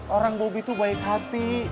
orang bobi itu baik hati